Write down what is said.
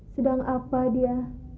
sedang apa dia